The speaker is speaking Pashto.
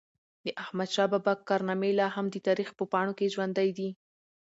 د احمدشاه بابا کارنامي لا هم د تاریخ په پاڼو کي ژوندۍ دي.